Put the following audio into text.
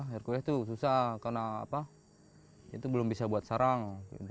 hercules tuh susah karena belum bisa buat sarang